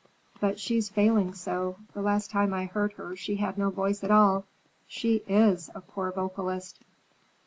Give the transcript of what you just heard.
"But she's failing so. The last time I heard her she had no voice at all. She is a poor vocalist!"